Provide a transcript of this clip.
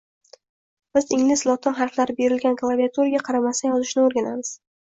Biz ingliz lotin harflari berilgan klaviaturaga qaramasdan yozishni o’rganamiz